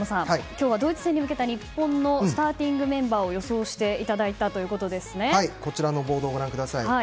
今日はドイツ戦に向けた日本のスターティングメンバーを予想していただいたこちらのボードご覧ください。